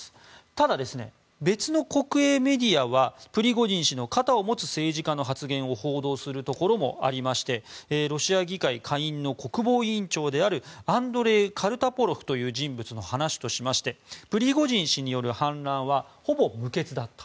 ただ、別の国営メディアはプリゴジン氏の肩を持つ政治家の発言を報道するところもありましてロシア議会下院の国防委員長のアンドレイ・カルタポロフという人物の話としてましてプリゴジン氏による反乱はほぼ無血だった。